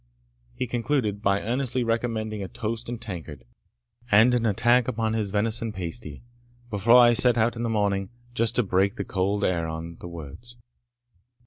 He concluded, by earnestly recommending a toast and tankard, and an attack upon his venison pasty, before I set out in the morning, just to break the cold air on the words.